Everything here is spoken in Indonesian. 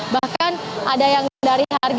bahkan ada yang dari harga empat juta